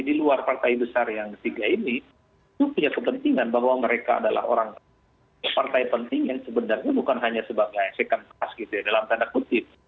di luar partai besar yang ketiga ini itu punya kepentingan bahwa mereka adalah orang partai penting yang sebenarnya bukan hanya sebagai second pass gitu ya dalam tanda kutip